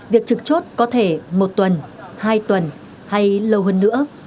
việc trực chốt có thể một tuần hai tuần hay lâu hơn nữa